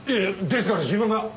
ですから自分が。